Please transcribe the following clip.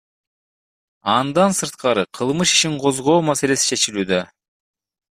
Андан сырткары кылмыш ишин козгоо маселеси чечилүүдө.